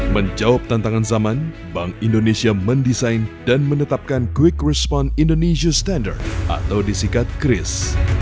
menjawab tantangan zaman bank indonesia mendesain dan menetapkan quick respon indonesia standard atau disikat kris